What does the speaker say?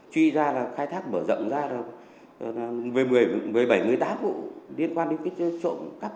chuy ra là khai thác mở rộng ra một mươi bảy người tác vụ liên quan đến trộm cắp